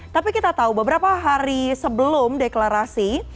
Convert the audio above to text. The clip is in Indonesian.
tapi kita tahu beberapa hari sebelum deklarasi